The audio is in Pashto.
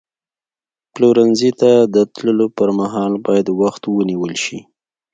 پلورنځي ته د تللو پر مهال باید وخت ونیول شي.